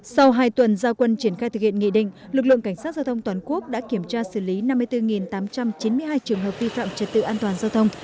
sau hai tuần giao quân triển khai thực hiện nghị định lực lượng cảnh sát giao thông toàn quốc đã kiểm tra xử lý năm mươi bốn tám trăm chín mươi hai trường hợp vi phạm trật tự an toàn giao thông